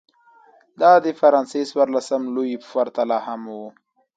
دا د فرانسې څوارلسم لويي په پرتله هم و.